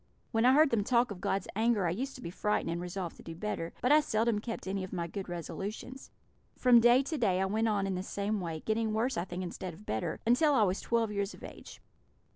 When I heard them talk of God's anger I used to be frightened, and resolved to do better; but I seldom kept any of my good resolutions. From day to day I went on in the same way, getting worse, I think, instead of better, until I was twelve years of age.